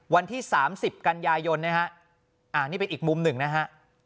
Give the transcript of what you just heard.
วันที่๓๐กันยายนนะฮะนี่เป็นอีกมุมหนึ่งนะฮะ